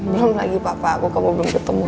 belum lagi papa aku kalau belum ketemu